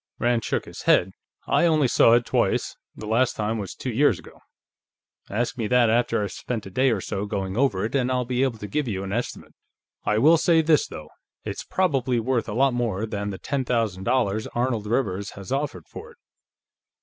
Rand shook his head. "I only saw it twice, the last time two years ago. Ask me that after I've spent a day or so going over it, and I'll be able to give you an estimate. I will say this, though: It's probably worth a lot more than the ten thousand dollars Arnold Rivers has offered for it."